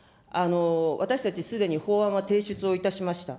私たちすでに法案は提出をいたしました。